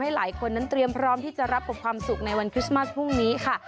หลายคนนั้นเตรียมพร้อมที่จะรับกับความสุขในวันคริสต์มัสพรุ่งนี้ค่ะ